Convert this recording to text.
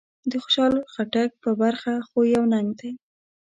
د خوشحال خټک په برخه خو يو ننګ دی.